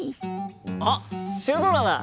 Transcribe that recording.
あっシュドラだ！